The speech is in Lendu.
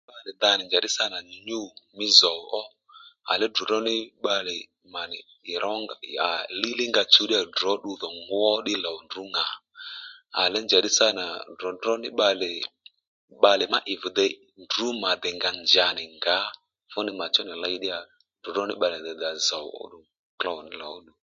Ndrǔ da nì njàddí sâ nà nyû mí zòw ó à nì dròdró ní bbalè mà nì líylíy ní nga chǔ ddíyà drǒ ddiy ngwó ddí lòw ndrǔ ŋà à lè njàddí sâ nà dròdró nì bbalè bbalè má ì bì dey ndrǔ mà dè nga njǎ nì ndrǔ nì ngǎ fúnì mà chú vì ley ddíyà dròdró nì bbalè nì dǎ zòw òluw klôw mí lò óddù